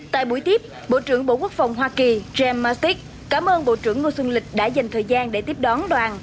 tại buổi tiếp bộ trưởng bộ quốc phòng hoa kỳ james mastic cảm ơn bộ trưởng ngô xuân lịch đã dành thời gian để tiếp đón đoàn